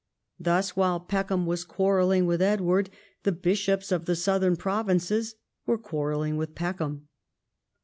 Thus, while Peckham was quarrelling with Edward, the bishops of the southern province were quarrelling with Peckham.